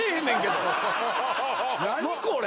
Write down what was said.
何これ？